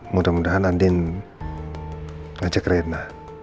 mudah mudahan andin ajak rena